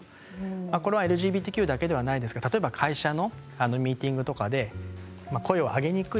これはＬＧＢＴＱだけではないですが、例えば会社のミーティングとかで声を上げにくい